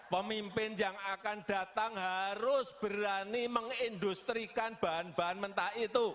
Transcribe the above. pemimpin yang akan datang harus berani mengindustrikan bahan bahan mentah itu